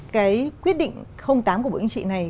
cái quyết định tám của bộ chính trị này